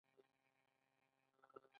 افغانستان په کومه لویه وچې کې موقعیت لري؟